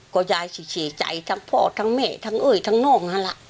ก็ยายก็เสียใจทั้งพ่อทั้งแม่ทั้งเอ๊ยทั้งน้องเขาลละ